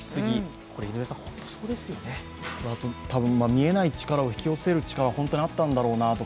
見えない力を引き寄せる力が本当にあったんだなと。